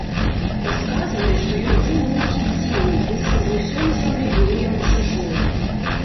Расказвалі, што ён быў нейкі дзіўны, быццам бы ўсё на зямлі было яму чужое.